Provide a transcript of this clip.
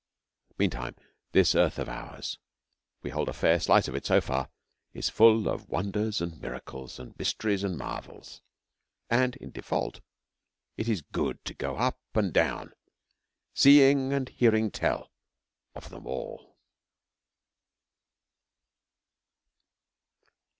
Meantime this earth of ours we hold a fair slice of it so far is full of wonders and miracles and mysteries and marvels, and, in default, it is good to go up and down seeing and hearing tell of them all.